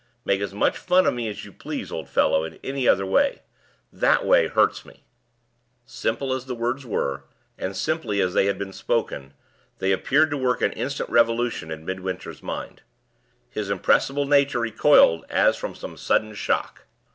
Make as much fun of me as you please, old fellow, in any other way. That way hurts me." Simple as the words were, and simply as they had been spoken, they appeared to work an instant revolution in Midwinter's mind. His impressible nature recoiled as from some sudden shock.